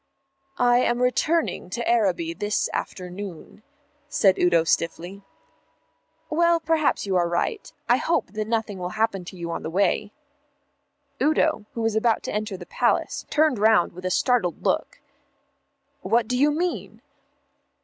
"I am returning to Araby this afternoon," said Udo stiffly. "Well, perhaps you're right. I hope that nothing will happen to you on the way." Udo, who was about to enter the Palace, turned round with a startled look. "What do you mean?"